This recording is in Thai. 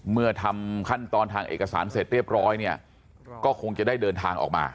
เมื่อทำขั้นตอนทางเอกสารเสร็จเรียบร้อยเนี่ยก็คงจะได้เดินทางออกมา